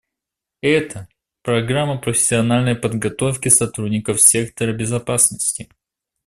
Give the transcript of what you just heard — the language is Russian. Это — программа профессиональной подготовки сотрудников сектора безопасности.